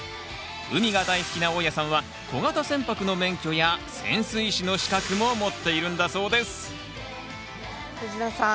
海が大好きな大家さんは小型船舶の免許や潜水士の資格も持っているんだそうです藤田さん